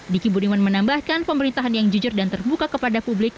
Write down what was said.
diki budiman menambahkan pemerintahan yang jujur dan terbuka kepada publik